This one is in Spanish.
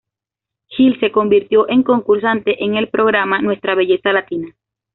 Gil se convirtió en concursante en el programa "Nuestra Belleza Latina".